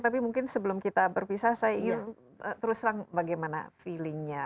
tapi mungkin sebelum kita berpisah saya ingin terus terang bagaimana feelingnya